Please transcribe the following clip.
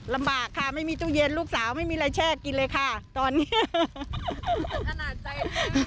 ลำบากค่ะไม่มีตู้เย็นลูกสาวไม่มีอะไรแช่กินเลยค่ะตอนนี้ขนาดใจ